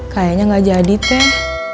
kayaknya gak jadi teh